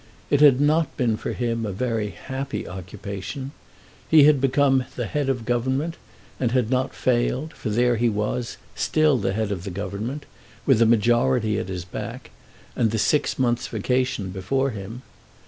It had not been for him a very happy occupation. He had become the Head of the Government, and had not failed, for there he was, still the Head of the Government, with a majority at his back, and the six months' vacation before him.